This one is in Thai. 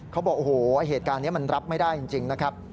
เขาบอกโอ้โหเหตุการณ์นี้มันรับไม่ได้จริงนะครับ